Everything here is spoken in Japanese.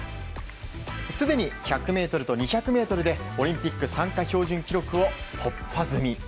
すでに１００ｍと２００ｍでオリンピック参加標準記録を突破済み。